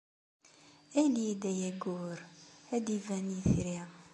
Ali-d ay aggur ad d-iban yitri.